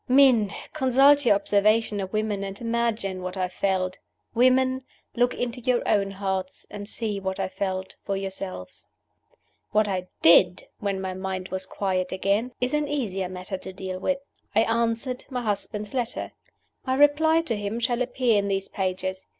Men! consult your observation of women, and imagine what I felt; women! look into your own hearts, and see what I felt, for yourselves. What I did, when my mind was quiet again, is an easier matter to deal with. I answered my husband's letter. My reply to him shall appear in these pages.